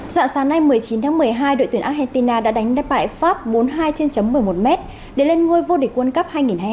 dạng sáng nay một mươi chín tháng một mươi hai đội tuyển argentina đã đánh đáp bại pháp bốn mươi hai trên một mươi một m để lên ngôi vô địch quân cấp hai nghìn hai mươi hai